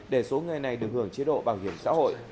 để số người này được hưởng chế độ bảo hiểm xã hội